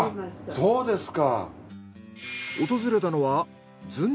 そうですか。